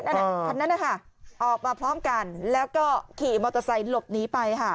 คันนั้นนะคะออกมาพร้อมกันแล้วก็ขี่มอเตอร์ไซค์หลบหนีไปค่ะ